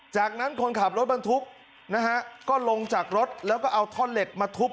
จากนั้นคนขับรถบรรทุกนะฮะก็ลงจากรถแล้วก็เอาท่อนเหล็กมาทุบ